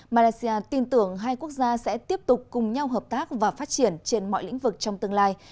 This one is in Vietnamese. malaysia tin tưởng hai quốc gia sẽ tiếp tục cùng nhau hợp tác và phát triển trên mọi lĩnh vực trong tương lai